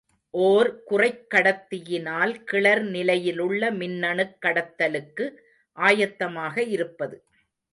ஓர் குறைக்கடத்தியினால் கிளர் நிலையிலுள்ள மின்னணுக் கடத்தலுக்கு ஆயத்தமாக இருப்பது.